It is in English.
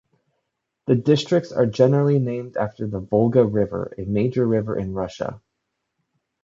The districts are generally named after the Volga River, a major river in Russia.